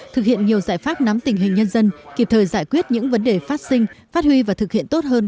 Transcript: thực hiện nhiều giải pháp nắm tình hình nhân dân kịp thời giải quyết những vấn đề phát sinh phát huy và thực hiện tốt hơn